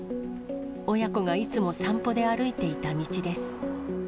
親子がいつも散歩で歩いていた道です。